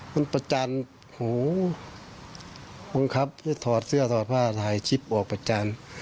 มันประจันทร์โอ้โหบังคับทอดเสื้อทอดผ้าถ่ายชิปออกประจันทร์